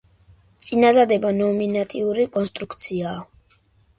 წინადადება ნომინატიური კონსტრუქციისაა.